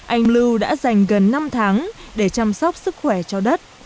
anh lưu đã dành gần năm tháng để chăm sóc sức khỏe cho đất